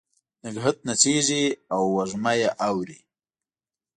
نګهت نڅیږې او وږمه یې اوري